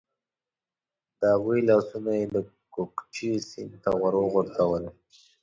د هغوی لاسونه یې د کوکچې سیند ته ور وغورځول.